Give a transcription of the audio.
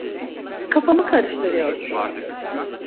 Kafamı karıştırıyorsun.